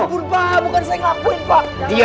ampun pak bukan saya yang ngelakuin pak